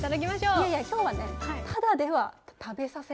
いやいや今日はね